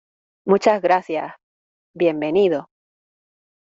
muchas gracias. bienvenido .